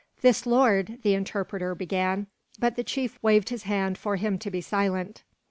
"This lord " the interpreter began, but the chief waved his hand for him to be silent.